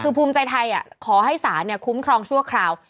คือภูมิใจไทยขอให้ศาลคุ้มครองชั่วคราว